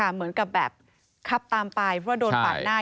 เหมือนกับแบบขับตามไปเพราะว่าโดนปาดหน้า